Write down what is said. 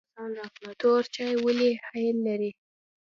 تور چای ولې هل لري؟